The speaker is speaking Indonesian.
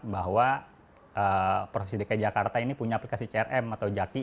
bahwa provinsi dki jakarta ini punya aplikasi crm atau jaki